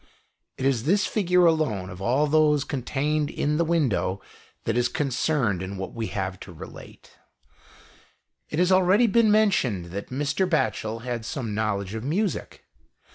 It is this figure alone, of all those contained in the window, that is con cerned in what we have to relate. 64 THE EASTERN WINDOW. It has already been mentioned that Mr. Batchel had some knowledge of music.